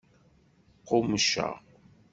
Qqummceɣ.